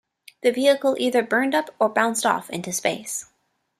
The vehicle either burned up or bounced off into space.